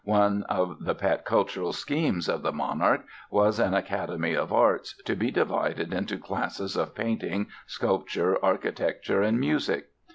One of the pet cultural schemes of the monarch was an Academy of Arts, to be divided into classes of painting, sculpture, architecture and music.